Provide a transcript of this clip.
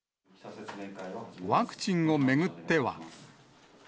ワクチンを巡っては。